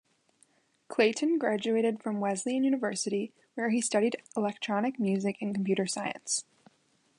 Clayton graduated from Wesleyan University, where he studied electronic music and computer science.